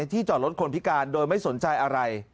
ที่จอดรถคนพิการโดยไม่สนใจอะไร